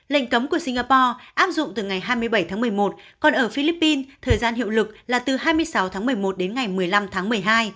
lệnh cấm của singapore áp dụng từ ngày hai mươi bảy tháng một mươi một còn ở philippines thời gian hiệu lực là từ hai mươi sáu tháng một mươi một đến ngày một mươi năm tháng một mươi hai